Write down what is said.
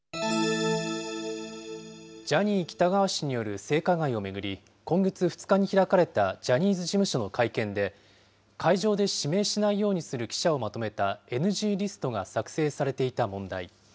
ジャニー喜多川氏による性加害を巡り、今月２日に開かれたジャニーズ事務所の会見で、会場で指名しないようにする記者をまとめたＮＧリストが作成されていた問題。